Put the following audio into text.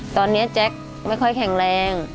ตอนนี้แจ๊คไม่ค่อยแข็งแรง